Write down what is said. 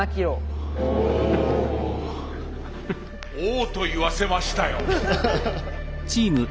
「お」と言わせましたよ！